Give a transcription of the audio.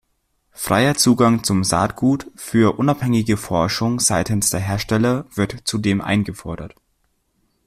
Freier Zugang zum Saatgut für unabhängige Forschung seitens der Hersteller wird zudem eingefordert.